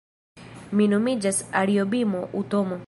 Mi nomiĝas Ariobimo Utomo